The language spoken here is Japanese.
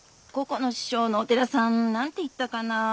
ここの師匠のお寺さんなんていったかな。